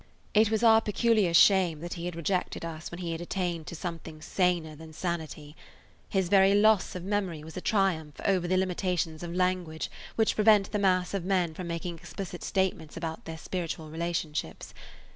It was our peculiar shame that he had rejected us when he had attained to something saner than sanity. His very loss of memory was a triumph over the limitations of language which prevent the mass of men from making explicit statements about [Page 129] their spiritual relationships.